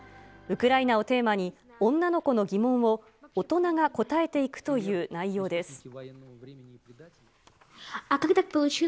ウクライナをテーマに、女の子の疑問を大人が答えていくという内容です。